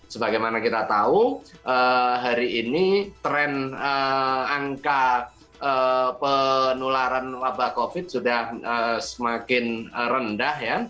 sebagai mana kita tahu hari ini tren angka penularan wabah covid sudah semakin rendah